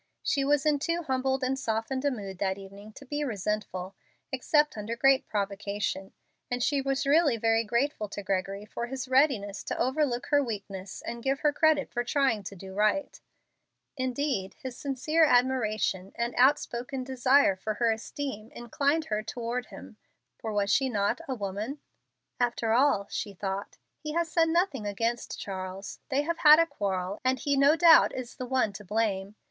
She was in too humbled and softened a mood that evening to be resentful, except under great provocation, and she was really very grateful to Gregory for his readiness to overlook her weakness and give her credit for trying to do right. Indeed, his sincere admiration and outspoken desire for her esteem inclined her toward him, for was she not a woman? "After all," she thought, "he has said nothing against Charles. They have had a quarrel, and he no doubt is the one to blame.